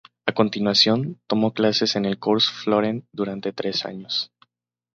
A continuación, tomó clases en el Cours Florent durante tres años.